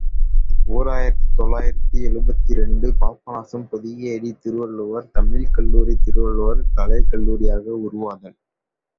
ஓர் ஆயிரத்து தொள்ளாயிரத்து எழுபத்திரண்டு ● பாபநாசம் பொதிகையடி திருவள்ளுவர் தமிழ்க் கல்லூரி, திருவள்ளுவர் கலைக் கல்லூரியாக உருவாதல்.